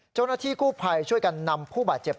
จะคุณนักถี้คู่ภัยช่วยกันนำผู้บาดเจ็บ